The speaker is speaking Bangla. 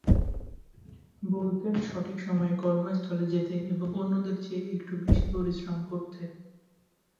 বলতেন সঠিক সময়ে কর্মস্থলে যেতে এবং অন্যদের চেয়ে একটু বেশি পরিশ্রম করতে।